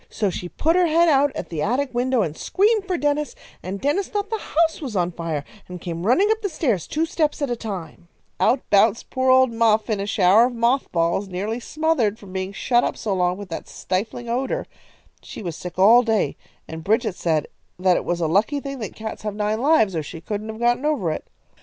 So she put her head out at the attic window and screamed for Dennis, and Dennis thought the house was on fire, and came running up the stairs two steps at a time. He untied the pillow case and turned it upside down with a hard shake, and, of course, out bounced poor old Muff in a shower of moth balls, nearly smothered from being shut up so long with that stifling odour. She was sick all day, and Bridget said that it was a lucky thing that cats have nine lives, or she couldn't have gotten over it.